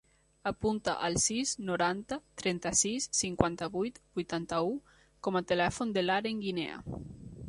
Apunta el sis, noranta, trenta-sis, cinquanta-vuit, vuitanta-u com a telèfon de l'Aren Guinea.